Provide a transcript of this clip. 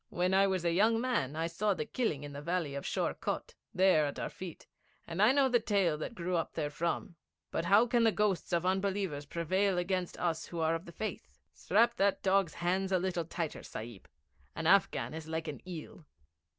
When I was a young man I saw the killing in the valley of Sheor Kot there at our feet, and I know the tale that grew up therefrom. But how can the ghosts of unbelievers prevail against us who are of the Faith? Strap that dog's hands a little tighter, Sahib. An Afghan is like an eel.'